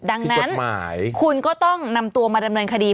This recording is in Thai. ดังนั้นคุณก็ต้องนำตัวมาดำเนินคดี